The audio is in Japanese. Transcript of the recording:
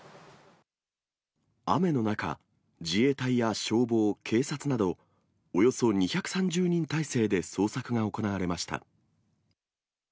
雨の中、自衛隊や消防、警察など、およそ２３０人態勢で捜索が行われました。